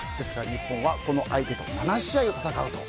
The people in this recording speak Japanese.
日本はこの相手と７試合を戦うと。